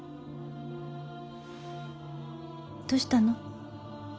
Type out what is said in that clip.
どうしたの？